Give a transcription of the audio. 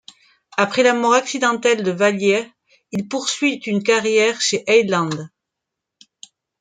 Après la mort accidentelle de Valier, il poursuit une carrière chez Heylandt.